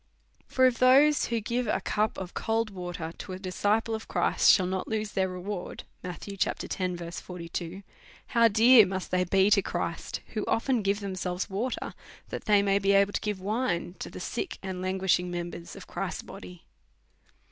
For if those who give a cup of cold water to a dis ciple of Christ shall not lose their reward, how dear must they be to Christ who often give themselves wa ter, that they may be able to give wine to the sick and lauguishing members of Christ's body